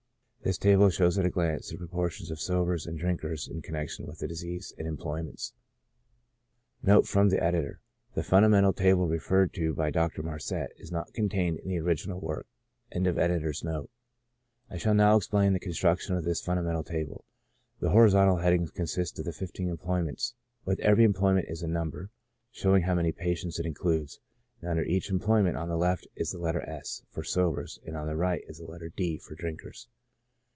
This table shows at a glance the proportions of sobers and drinkers in connection with diseases and employments :• [The "fundamental table" referred to by Dr. Marcet, is not contained in the original work. — Am. Pub.~\ I shall now explain the construction of this fundamental table. The horizontal headings consist of the fifteen em ployments ; with every employment is a number, showing ihow many patients it includes, and under each employment 'on the left is the letter S. for sobers, and on the right is the letter D. for drinkers.